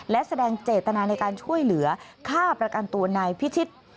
และแสดงเจตนาในการช่วยเหลือค่าประกันตัวนายพิชิต